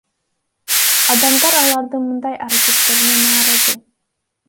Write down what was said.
Адамдар алардын мындай аракеттерине нааразы.